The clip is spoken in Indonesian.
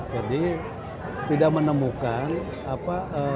jadi tidak menemukan apa